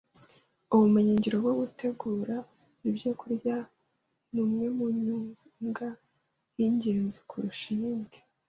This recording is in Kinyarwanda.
Ubumenyingiro bwo gutegura ibyokurya ni umwe mu myuga y’ingenzi kurusha iyindi